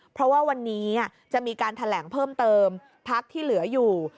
เพราะว่าวันนี้จะมีการแถลงเพิ่มเติมพักที่เหลืออยู่